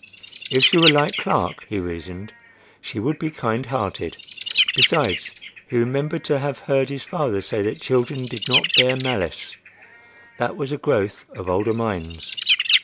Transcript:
If she were like Clark, he reasoned, she would be kind hearted. Besides, he remembered to have heard his father say that children did not bear malice: that was a growth of older minds.